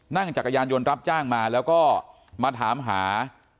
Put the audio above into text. จักรยานยนต์รับจ้างมาแล้วก็มาถามหา